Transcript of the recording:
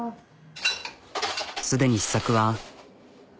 すでに試作は。